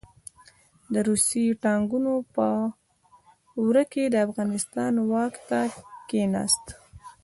د روسي ټانګونو په ورا کې د افغانستان واک ته کښېناست.